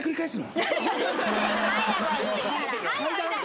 いいから！